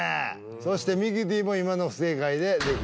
そしてミキティも今の不正解で出禁